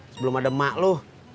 sebelum ada mak lo